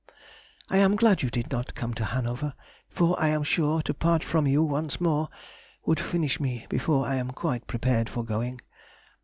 I am glad you did not come to Hanover, for I am sure to part from you once more would finish me before I am quite prepared for going.